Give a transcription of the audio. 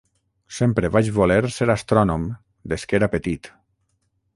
Sempre vaig voler ser astrònom des que era petit.